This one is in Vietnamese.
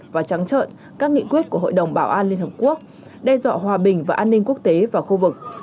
và trắng trợn các nghị quyết của hội đồng bảo an liên hợp quốc đe dọa hòa bình và an ninh quốc tế và khu vực